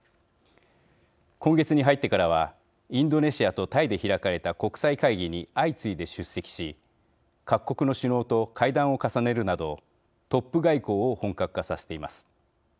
今月に入ってからはインドネシアとタイで開かれた国際会議に相次いで出席し各国の首脳と会談を重ねるなどトップ外交を本格化させています。